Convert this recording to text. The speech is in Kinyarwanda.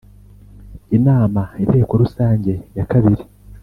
inama Inteko Rusange ya kabiri